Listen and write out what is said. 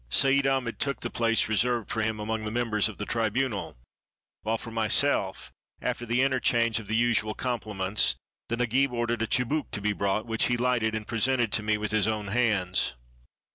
Seid Ahmed took the place reserved for him among the members of the tribunal, while for myself, after the interchange of the usual compliments, the Nagib or dered a chibouque to be brought, which he lighted and presented to me with his own hands.